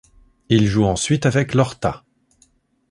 Il joue ensuite avec l'Horta.